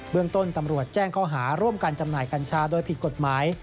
เมืองต้นตำรวจแจ้งข้อหาร่วมกันจำหน่ายกัญชาโดยผิดกฎหมาย